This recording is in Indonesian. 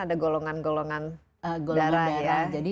ada golongan golongan darah ya